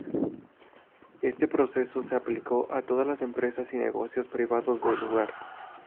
Este proceso se aplicó a todas las empresas y negocios privados del lugar.